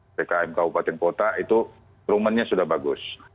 ppkm kabupaten kota itu rumennya sudah bagus